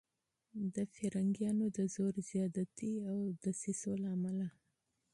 د انګریزانو د زور زیاتي او دسیسو له امله.